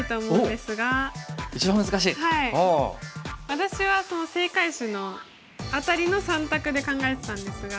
私はその正解手の辺りの３択で考えてたんですが。